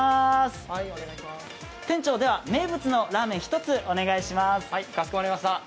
店長、名物のラーメン一つお願いします。